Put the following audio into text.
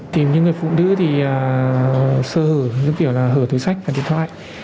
tìm những người phụ nữ thì sơ hở như kiểu là hở túi sách và điện thoại